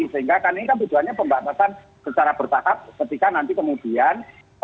sehingga kan ini kan tujuannya pembatasan secara bertahap ketika nanti kemudian